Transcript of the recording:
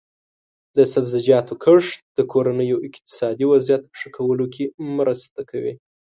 د سبزیجاتو کښت د کورنیو اقتصادي وضعیت ښه کولو کې مرسته کوي.